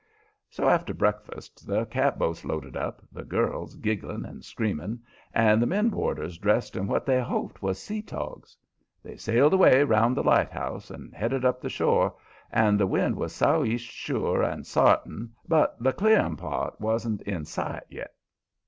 So, after breakfast, the catboats loaded up, the girls giggling and screaming, and the men boarders dressed in what they hoped was sea togs. They sailed away 'round the lighthouse and headed up the shore, and the wind was sou'east sure and sartin, but the "clearing" part wasn't in sight yet.